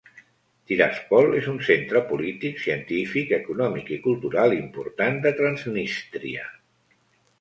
Tiraspol és un centre polític, científic, econòmic i cultural important de Transnístria.